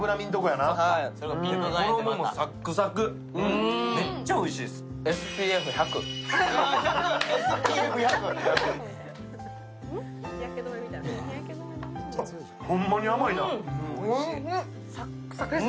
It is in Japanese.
衣もサックサク、めっちゃおいしいです。